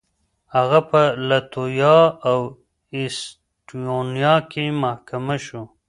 هغه په لتويا او اېسټونيا کې محاکمه شو.